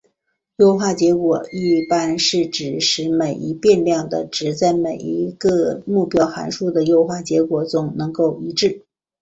优化结果一致是指使每一变量的值在每一子目标函数的优化结果中能够一致。